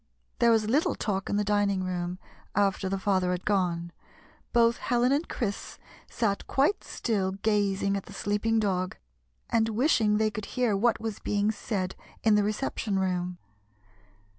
There was little talk in the dining room after 58 THE GYPSY'S FLIGHT tlie father had gone. Both Helen and Chris sat quite still gazing at the sleeping dog, and wishing they could hear what was being said in the reception room.